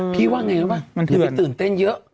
พี่ว่าไงนะว่าถึงไปตื่นเต้นเยอะ